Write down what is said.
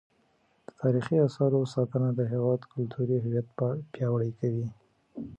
د تاریخي اثارو ساتنه د هیواد کلتوري هویت پیاوړی کوي.